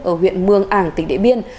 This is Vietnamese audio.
ở huyện mương ảng tỉnh đệ biên